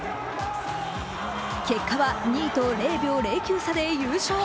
結果は２位と０秒０９差で優勝。